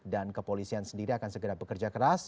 dan kepolisian sendiri akan segera bekerja keras